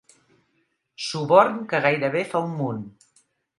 Suborn que gairebé fa un munt.